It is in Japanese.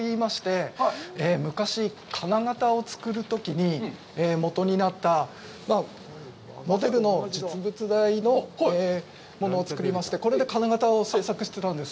これは木型といいまして、昔、金型を作るときにもとになった、モデルの実物大のものを作りましてこれで金型を製作していたんです。